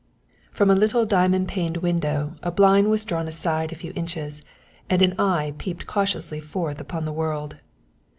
From a little diamond paned window a blind was drawn aside a few inches and an eye peeped cautiously forth upon the world.